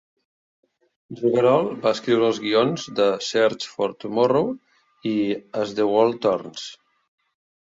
Rouverol va escriure els guions de "Search for Tomorrow" i "As the World Turns".